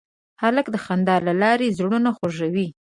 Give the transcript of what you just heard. هلک د خندا له لارې زړونه خوښوي.